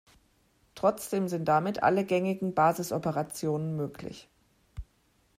Trotzdem sind damit alle gängigen Basisoperationen möglich.